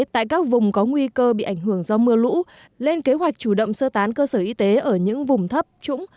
tại các vùng có nguy cơ bị ảnh hưởng do mưa lũ lên kế hoạch chủ động sơ tán cơ sở y tế ở những vùng thấp trũng